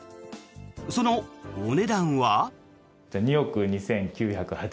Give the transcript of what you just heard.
そのお値段は。